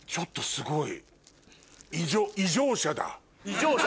すごい。